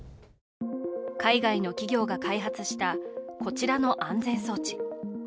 海外の企業が開発したこちらの安全装置。